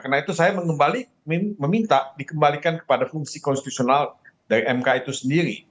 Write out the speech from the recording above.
karena itu saya meminta dikembalikan kepada fungsi konstitusional dari mk itu sendiri